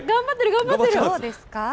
頑張ってる、どうですか？